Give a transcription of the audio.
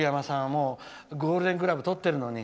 ゴールデングラブをとってるのに。